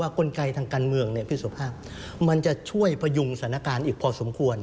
และกลไกทางการเมืองมันจะช่วยพยุงศาลการณ์อีกพอสมควร